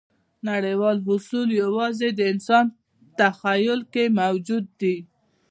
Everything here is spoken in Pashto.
نړیوال اصول یواځې د انسان تخیل کې موجود دي.